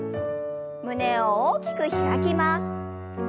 胸を大きく開きます。